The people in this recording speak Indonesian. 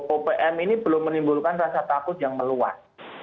opm ini belum menimbulkan rasa takut yang meluas